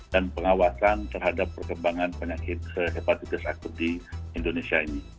dan pengawasan terhadap perkembangan penyakit hepatitis akut di indonesia ini